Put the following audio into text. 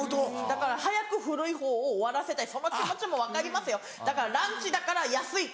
だから早く古いほうを終わらせたいその気持ちも分かりますよだからランチだから安い。